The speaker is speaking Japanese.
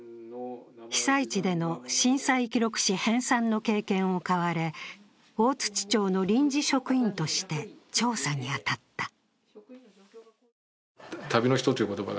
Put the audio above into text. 被災地での震災記録誌編さんの経験を買われ、大槌町の臨時職員として調査に当たった。